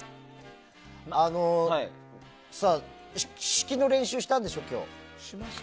指揮の練習したんでしょ、今日。